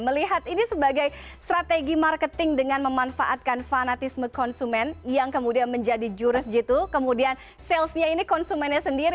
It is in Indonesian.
melihat ini sebagai strategi marketing dengan memanfaatkan fanatisme konsumen yang kemudian menjadi jurus gitu kemudian salesnya ini konsumennya sendiri